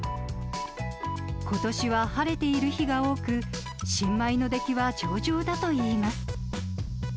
ことしは晴れている日が多く、新米の出来は上々だといいます。